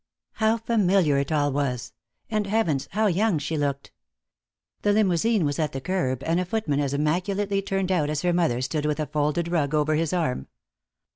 How familiar it all was! And heavens, how young she looked! The limousine was at the curb, and a footman as immaculately turned out as her mother stood with a folded rug over his arm.